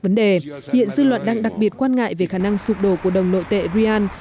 vấn đề hiện dư luận đang đặc biệt quan ngại về khả năng sụp đổ của đồng nội tệ brian